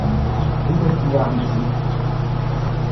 Anda tella ɛemmti-k?